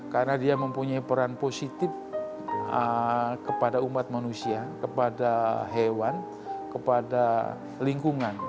karena dia mempunyai peran positif kepada umat manusia kepada hewan kepada lingkungan